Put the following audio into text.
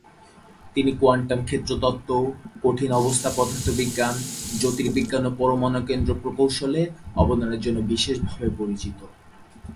তিনি কোয়ান্টাম ক্ষেত্র তত্ত্ব, কঠিন অবস্থা পদার্থবিজ্ঞান, জ্যোতির্বিজ্ঞান ও পরমাণুকেন্দ্রীয় প্রকৌশলে অবদানের জন্য বিশেষভাবে পরিচিত।